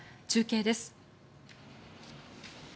中継です。